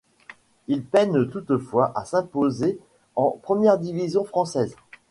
Il peine toutefois à s'imposer en première division française.